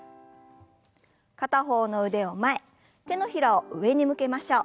片方の腕を前手のひらを上に向けましょう。